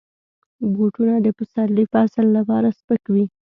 بوټونه د پسرلي فصل لپاره سپک وي.